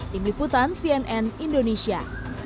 tim liputan cnn indonesia